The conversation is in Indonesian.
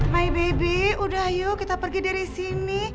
my baby udah ayo kita pergi dari sini